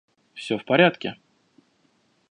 Всё в порядке.